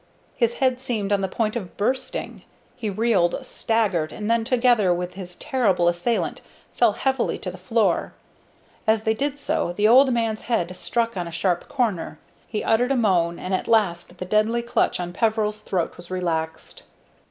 His head seemed on the point of bursting. He reeled, staggered, and then, together with his terrible assailant, fell heavily to the floor. As they did so, the old man's head struck on a sharp corner; he uttered a moan, and at last the deadly clutch on Peveril's throat was relaxed.